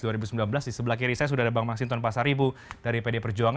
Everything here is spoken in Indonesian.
di sebelah kiri saya sudah ada bang masinton pasaribu dari pdi perjuangan